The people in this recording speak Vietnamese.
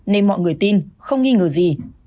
nên mọi người tin không nghi ngờ gì